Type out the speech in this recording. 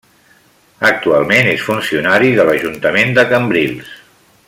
Actualment és funcionari de l'ajuntament de Cambrils.